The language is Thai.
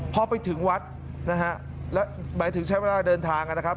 พอไปถึงวัดนะฮะแล้วหมายถึงใช้เวลาเดินทางนะครับ